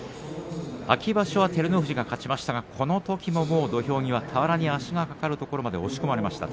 秋場所は照ノ富士が勝ちましたがこのときも土俵際俵に足がかかるまで押し込まれました。